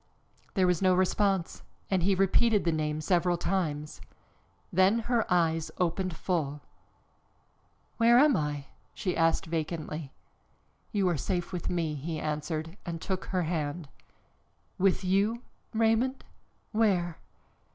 There was no response and he repeated the name several times. Then her eyes opened full. "Where am I?" she asked vacantly. "You are safe, with me," he answered and took her hand. "With you, Raymond? Where?"